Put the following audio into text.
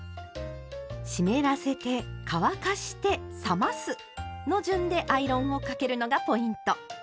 湿らせて乾かして冷ますの順でアイロンをかけるのがポイント！